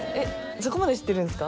そこまで知ってるんですか？